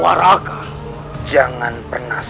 keluarkan saja saudara itu